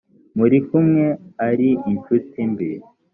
muri kumwe ari incuti mbi